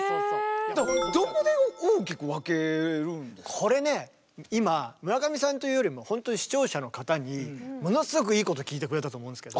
これね今村上さんというよりも本当に視聴者の方にものすごくいいこと聞いてくれたと思うんですけど。